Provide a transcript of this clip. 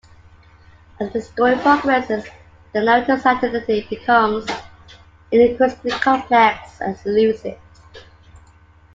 As the story progresses, the narrator's identity becomes increasingly complex and elusive.